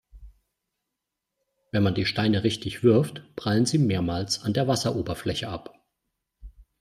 Wenn man die Steine richtig wirft, prallen sie mehrmals an der Wasseroberfläche ab.